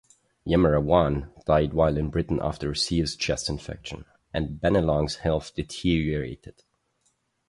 Yemmerrawanne died while in Britain after a serious chest infection, and Bennelong's health deteriorated.